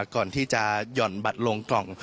ก่อนที่จะหย่อนบัตรลงกล่อง